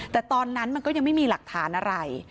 แต่ตอนนั้นมันก็ยังไม่มีหลักฐานอะไร